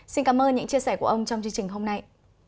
xin cảm ơn những chia sẻ của ông trong chương trình hôm nay